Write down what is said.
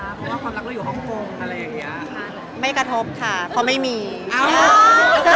แล้วมันกระทบกับความรักเราบ้างไหมคะ